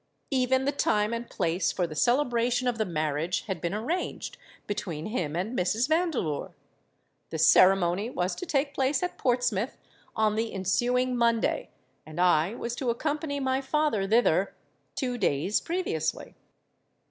Even the time and place for the celebration of the marriage had been arranged between him and Mrs. Vandeleur. The ceremony was to take place at Portsmouth on the ensuing Monday; and I was to accompany my father thither two days previously.